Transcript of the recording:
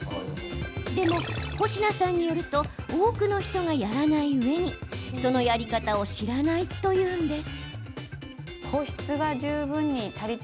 でも、保科さんによると多くの人がやらないうえにそのやり方を知らないというんです。